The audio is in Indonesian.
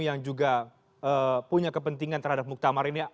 yang juga punya kepentingan terhadap muktamar ini